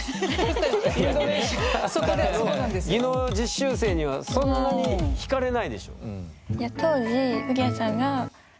インドネシアからの技能実習生にはそんなに引かれないでしょ？